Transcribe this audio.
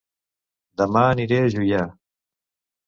Dema aniré a Juià